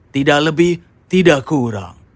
tidak lebih tidak kurang